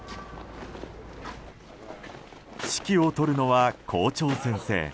指揮を執るのは校長先生。